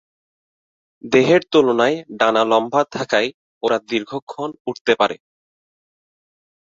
দেহের তুলনায় ডানা লম্বা থাকায় ওরা দীর্ঘক্ষণ উড়তে পারে।